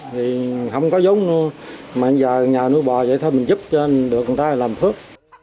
thì không có giống nữa mà giờ nhờ nuôi bò vậy thôi mình giúp cho được người ta làm phước